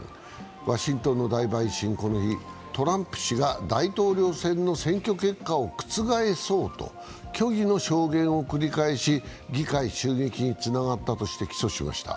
ワシントンの大陪審、この日トランプ氏が大統領選の選挙結果を覆そうと虚偽の証言を繰り返し議会襲撃につながったとして起訴しました。